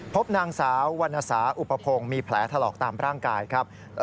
พบนางสาววรรณสาอุปพงศ์มีแผลถลอกตามร่างกายครับ